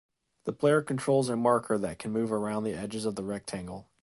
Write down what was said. The player controls a marker that can move around the edges of the rectangle.